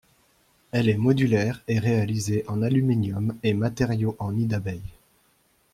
Elle est modulaire et réalisée en aluminium et matériau en nid d'abeilles.